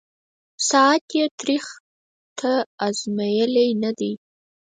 ساعت یې تریخ » تا آزمېیلی نه دی